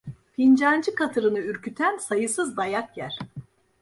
Fincancı katırını ürküten sayısız dayak yer.